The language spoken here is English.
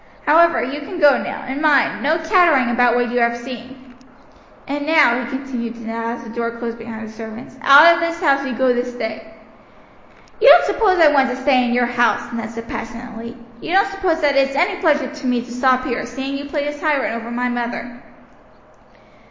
However, you can go now, and mind, no chattering about what you have seen. "And now," he continued to Ned as the door closed behind the servants, "out of this house you go this day." "You don't suppose I want to stay in your house," Ned said passionately. "You don't suppose that it's any pleasure to me to stop here, seeing you play the tyrant over my mother."